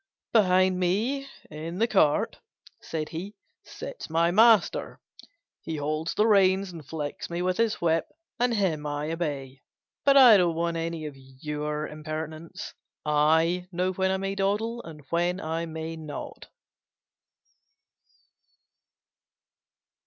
"Behind me, in the cart," said he, "sits my master. He holds the reins, and flicks me with his whip, and him I obey, but I don't want any of your impertinence. I know when I may dawdle and when I may not."